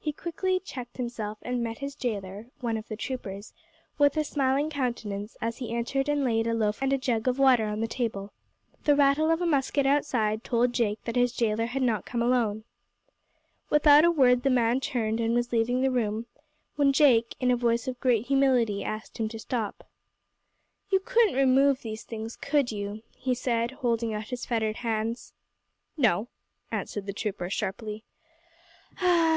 He quickly checked himself, and met his jailor (one of the troopers) with a smiling countenance as he entered and laid a loaf and a jug of water on the table. The rattle of a musket outside told Jake that his jailor had not come alone. Without a word the man turned, and was leaving the room, when Jake, in a voice of great humility, asked him to stop. "You couldn't remove these things, could you?" he said, holding out his fettered hands. "No," answered the trooper, sharply. "Ah!"